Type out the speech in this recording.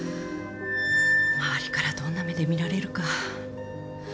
周りからどんな目で見られるか。